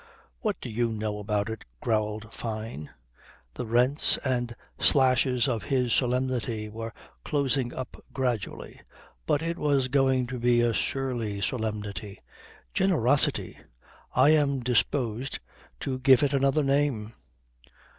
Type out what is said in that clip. "What do you know about it," growled Fyne. The rents and slashes of his solemnity were closing up gradually but it was going to be a surly solemnity. "Generosity! I am disposed to give it another name.